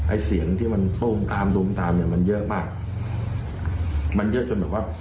ไอ้เสียงที่มันตุ้มตามตุ้มตามเนี้ยมันเยอะมากมันเยอะจนแบบว่า